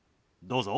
どうぞ。